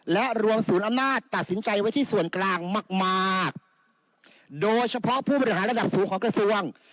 และรวมศูนย์อำนาจตัดสินใจไว้ที่ส่วนกลางมากมากโดยเฉพาะผู้บริหารระดับสูงของกระทรวง